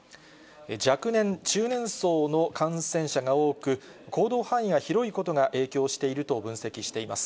若年・中年層の感染者が多く、行動範囲が広いことが影響していると分析しています。